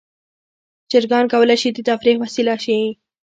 چرګان کولی شي د تفریح وسیله شي.